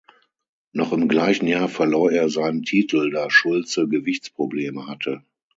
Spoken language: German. Noch im gleichen Jahr verlor er seinen Titel, da Schulze Gewichtsprobleme hatte.